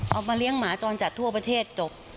มาเลี้ยงหมาจรจัดทั่วประเทศจบ